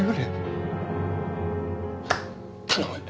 頼む。